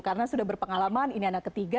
karena sudah berpengalaman ini anak ketiga